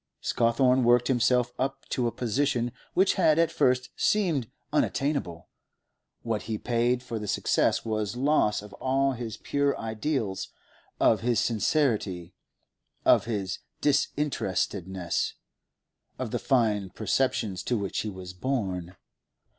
Scawthorne worked himself up to a position which had at first seemed unattainable; what he paid for the success was loss of all his pure ideals, of his sincerity, of his disinterestedness, of the fine perceptions to which he was born.